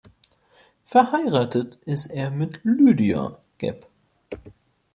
Verheiratet ist er mit Lydia, geb.